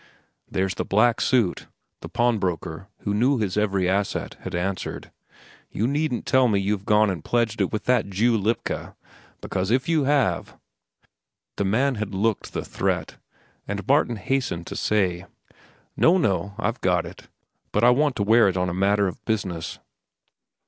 "There's the black suit," the pawnbroker, who knew his every asset, had answered. "You needn't tell me you've gone and pledged it with that Jew, Lipka. Because if you have—" The man had looked the threat, and Martin hastened to cry: "No, no; I've got it. But I want to wear it on a matter of business."